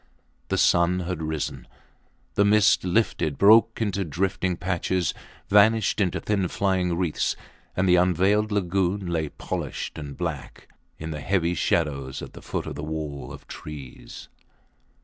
The sun had risen. The mist lifted, broke into drifting patches, vanished into thin flying wreaths; and the unveiled lagoon lay, polished and black, in the heavy shadows at the foot of the wall of trees.